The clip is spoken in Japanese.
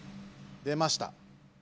出ました。